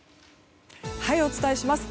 はい、お伝えします。